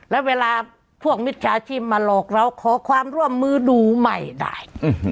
แล้วเวลาพวกมิจฉาชีพมาหลอกเราขอความร่วมมือดูไม่ได้